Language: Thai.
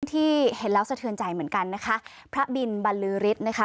ที่เห็นแล้วสะเทือนใจเหมือนกันนะคะพระบินบรรลือฤทธิ์นะคะ